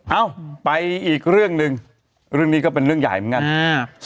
เอ้าไปอีกเรื่องหนึ่งเรื่องนี้ก็เป็นเรื่องใหญ่เหมือนกัน